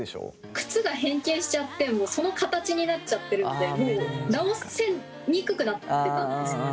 靴が変形しちゃってもうその形になっちゃってるんでもう直せにくくなってたんです。